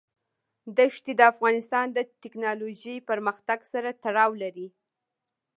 ښتې د افغانستان د تکنالوژۍ پرمختګ سره تړاو لري.